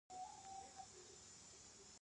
څوارلسمه پوښتنه د مدیریت د عناصرو په اړه ده.